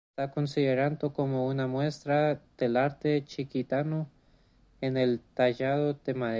Está considerado como una muestra del arte chiquitano en el tallado de madera.